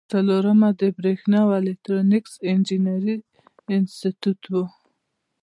څلورمه د بریښنا او الکترونیکس انجینری انسټیټیوټ و.